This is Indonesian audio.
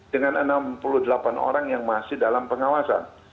dengan enam puluh delapan orang yang masih dalam pengawasan